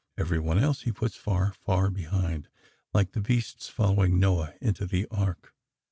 Every one else he puts far, far behind, like the beasts following Noah into the Ark.